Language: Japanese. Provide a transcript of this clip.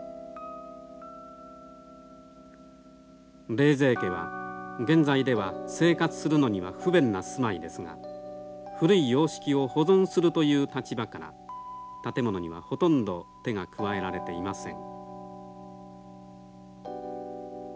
冷泉家は現在では生活するのには不便な住まいですが古い様式を保存するという立場から建物にはほとんど手が加えられていません。